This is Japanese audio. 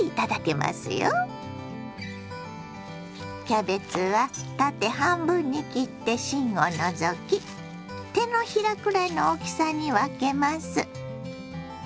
キャベツは縦半分に切って芯を除き手のひらくらいの大きさに分けます。